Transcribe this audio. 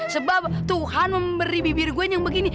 sebab tuhan memberi bibir gue yang begini